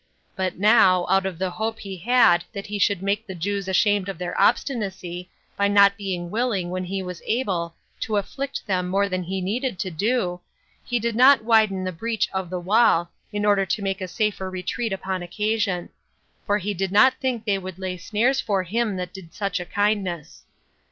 But now, out of the hope he had that he should make the Jews ashamed of their obstinacy, by not being willing, when he was able, to afflict them more than he needed to do, he did not widen the breach of the wall, in order to make a safer retreat upon occasion; for he did not think they would lay snares for him that did them such a kindness.